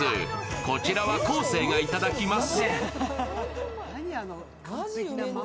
こちらは昴生がいただきます。